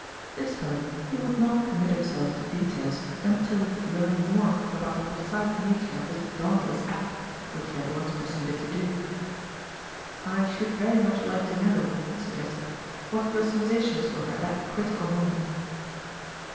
] This time he would not commit himself to details until he could learn 58 0urtnalin'0 (Einte more about the precise nature of his dauntless act, which he at once proceeded to do. "I should very much like to know," he suggested, " what your sensations were at that critical moment."